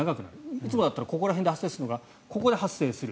いつもだったらここら辺で発生するのがここで発生する。